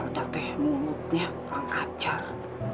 sial amu teh mulutnya kurang ajar